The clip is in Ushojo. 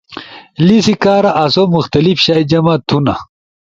لیسی کارا آسو مخلتف شائی جمع تھونا ۔